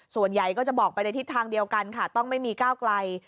ส่วนใหญ่ก็จะบอกไปในทิศทางเดียวกันค่ะต้องไม่มีก้าวไกล